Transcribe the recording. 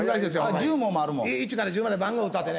１から１０まで番号打ってあってね